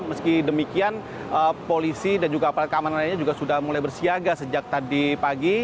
meski demikian polisi dan juga aparat keamanan lainnya juga sudah mulai bersiaga sejak tadi pagi